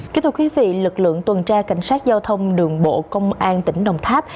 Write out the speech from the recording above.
kính thưa quý vị lực lượng tuần tra cảnh sát giao thông đường bộ công an tỉnh đồng tháp